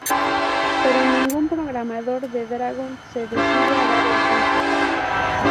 Pero ningún programador de Dragon se decide a dar el paso.